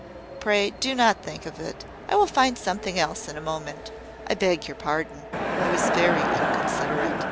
Pray do not think of it. I will find something else in a moment. I beg your pardon: I was very inconsiderate."